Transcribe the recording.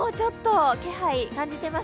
気配感じています。